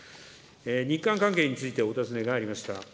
日韓関係についてお尋ねがありました。